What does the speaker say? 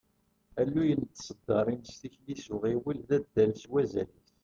Alluy n tseddaṛin s tikli s uɣiwel, d addal s wazal-is.